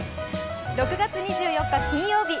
６月２４日金曜日。